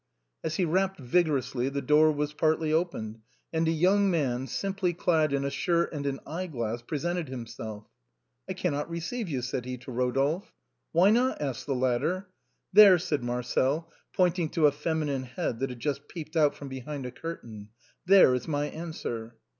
As he rapped vigorously, the door was partly opened, and a young man, simply clad in a shirt and an eye glass, pre sented himself. " I cannot receive you," said he to Eodolphe. " Why not ?" asked the latter. " There," said Marcel, pointing to a feminine head that had just peeped out from behind a curtain, " there is my answer."